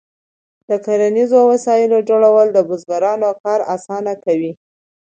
د کرنیزو وسایلو جوړول د بزګرانو کار اسانه کوي.